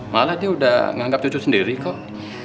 malah dia udah menganggap cucu sendiri kok